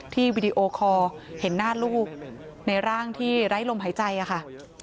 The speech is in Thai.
วีดีโอคอร์เห็นหน้าลูกในร่างที่ไร้ลมหายใจค่ะ